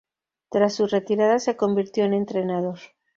Tras su retirada se convirtió en entrenador.